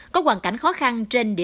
có hoàn cảnh khó khăn